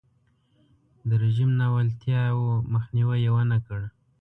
د رژیم ناولتیاوو مخنیوی یې ونکړ.